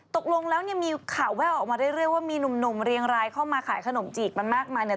ตกลงแล้วมีข่าวแวะออกมาเรื่อยว่ามีหนุ่มเรียงรายเข้ามาขายขนมจีกมามากมาย